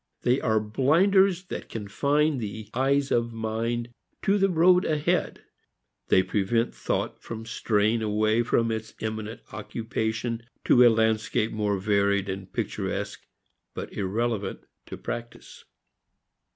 They are blinders that confine the eyes of mind to the road ahead. They prevent thought from straying away from its imminent occupation to a landscape more varied and picturesque but irrelevant to practice.